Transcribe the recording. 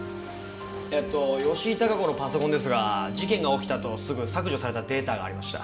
えっと吉井孝子のパソコンですが事件が起きたあとすぐ削除されたデータがありました。